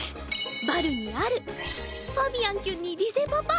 バルにアルファビアンきゅんにリゼパパ！